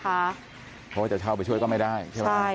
เพราะว่าจะเช่าไปช่วยก็ไม่ได้ใช่ไหม